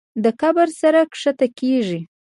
د کبر سر ښکته کېږي.